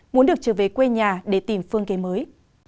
muốn được trở về quê nhà để tìm phương kế mới